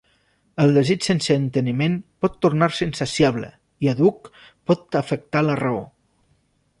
El desig sense enteniment pot tornar-se insaciable, i àdhuc pot afectar la raó.